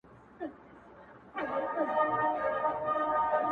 زه سم پء اور کړېږم ستا په محبت شېرينې؛